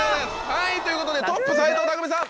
はいということでトップ斎藤工さん。